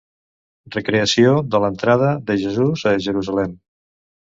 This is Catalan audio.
Recreació de l'entrada de Jesús a Jerusalem.